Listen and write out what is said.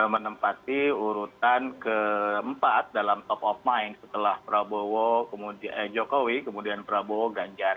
menempati urutan keempat dalam top of mind setelah jokowi kemudian prabowo ganjar